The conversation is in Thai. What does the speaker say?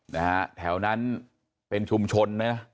นะฮะแถวนั้นเป็นชุมชนนะนะ